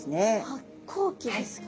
発光器ですか？